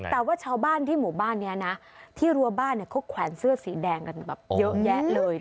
แต่ว่าชาวบ้านที่หมู่บ้านนี้นะที่รัวบ้านเขาแขวนเสื้อสีแดงกันแบบเยอะแยะเลย